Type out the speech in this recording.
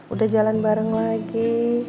udah jalan bareng lagi